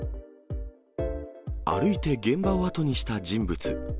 歩いて現場を後にした人物。